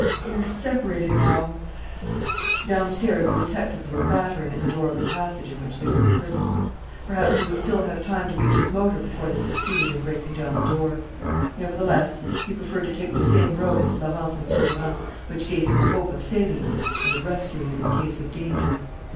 We are separated now " Downstairs the detectives were battering at the door of the passage in which they were imprisoned. Perhaps he would still have time to reach his motor before they succeeded in breaking down the door. Nevertheless, he preferred to take the same road as Florence and Sauverand, which gave him the hope of saving them and of rescuing them in case of danger.